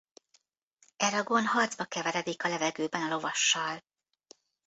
Eragon harcba keveredik a levegőben a Lovassal.